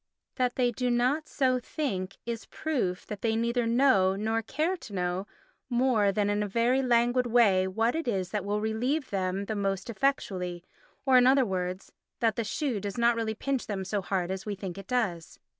That they do not so think is proof that they neither know, nor care to know, more than in a very languid way, what it is that will relieve them most effectually or, in other words, that the shoe does not really pinch them so hard as we think it does.